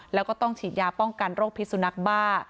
แล้วก็ต้องฉีดยาป้องกันโรคพิสุนักบ้า